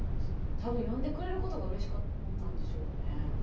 多分読んでくれることがうれしかったんでしょうね。